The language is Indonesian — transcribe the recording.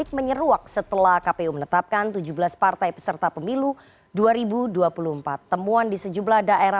kepala kepala kepala